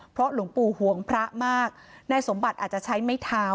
เพราะหลวงปู่ห่วงพระมากนายสมบัติอาจจะใช้ไม้เท้า